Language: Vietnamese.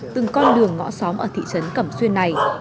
từng con đường ngõ xóm ở thị trấn cẩm xuyên này